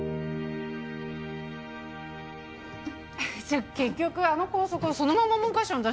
じゃあ結局あの校則そのまま文科省に出したの？